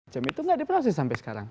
seperti itu nggak diproses sampai sekarang